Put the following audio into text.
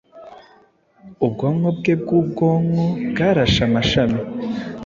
Ubwonko bwe bwubwonko bwarashe amashami